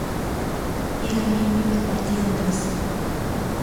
Era miembro del partido nazi.